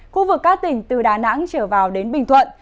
khu vực các tỉnh từ đà nẵng trở vào đến bình thuận